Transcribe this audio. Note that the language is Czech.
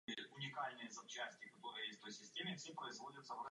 Studoval filozofii a medicínu.